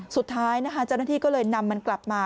สุดท้ายนะคะเจ้าหน้าที่ก็เลยนำมันกลับมา